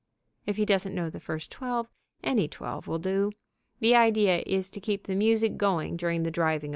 (If he doesn't know the first twelve, any twelve will do. The idea is to keep the music going during the driving of the stake.)